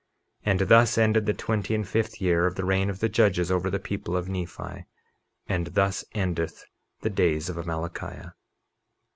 51:37 And thus endeth the twenty and fifth year of the reign of the judges over the people of Nephi; and thus endeth the days of Amalickiah.